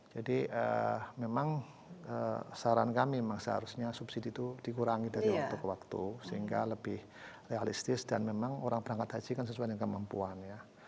jadi memang saran kami memang seharusnya subsidi itu dikurangi dari waktu ke waktu sehingga lebih realistis dan memang orang berangkat haji kan sesuai dengan kemampuan ya